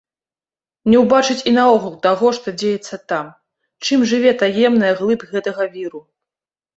Не ўбачыць і наогул таго, што дзеецца там, чым жыве таемная глыб гэтага віру.